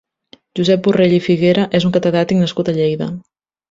Josep Borrell i Figuera és un catedràtic nascut a Lleida.